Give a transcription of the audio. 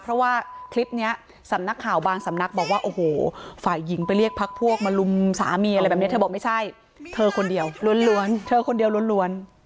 รุมสามีอะไรแบบนี้เธอบอกไม่ใช่เธอคนเดียวล้วน